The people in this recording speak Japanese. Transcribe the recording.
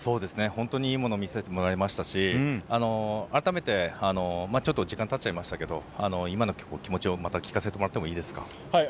本当にいいものを見せてもらいましたし改めて、ちょっと時間がたっちゃいましたけど今の気持ちをまた聞かせてもらってもいいですか。